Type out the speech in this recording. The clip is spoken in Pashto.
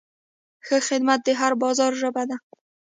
ښه خدمت د هر بازار ژبه ده.